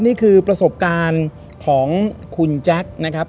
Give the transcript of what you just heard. นี่คือประสบการณ์ของคุณแจ็คนะครับ